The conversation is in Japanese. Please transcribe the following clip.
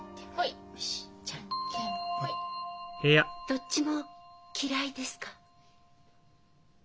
どっちも嫌いですか？